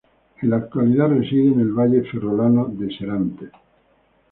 En la actualidad reside en el valle ferrolano de Serantes.